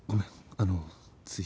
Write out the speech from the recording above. あのつい。